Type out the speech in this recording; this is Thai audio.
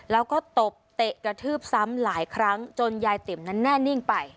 แล้วก็ตบเตะกระทืบซ้ำหลายครั้งจนยายติ๋มนั้นแน่นิ่งไป